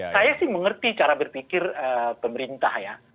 saya sih mengerti cara berpikir pemerintah ya